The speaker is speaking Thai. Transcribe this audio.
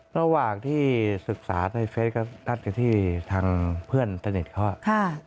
ระหว่างที่ศึกษาในเฟสก็นับอยู่ที่ทางเพื่อนสนิทเขา